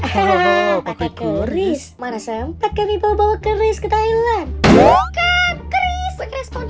hahaha pakai chris mana sampe kami bawa chris ke thailand bukan chris quick respon